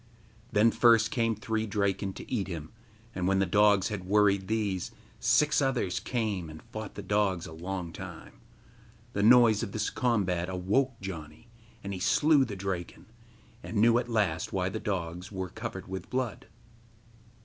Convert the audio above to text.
Then first came three Draken to eat him, and when the dogs had worried these, six others came and fought the dogs a long time. The noise of this combat awoke Janni, and he slew the Draken, and knew at last why the dogs were covered with blood.